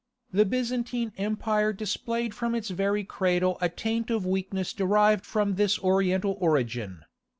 The Byzantine Empire displayed from its very cradle a taint of weakness derived from this Oriental origin.